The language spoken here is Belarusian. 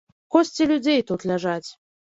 Косці людзей тут ляжаць.